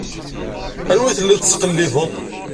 Anwa i telliḍ tettqellibeḍ?